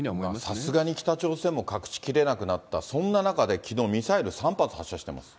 さすがに北朝鮮も隠しきれなくなった、そんな中で、きのう、ミサイル３発発射しています。